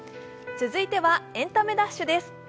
続いては「エンタメダッシュ」です。